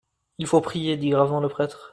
, Il faut prier, dit gravement le prêtre.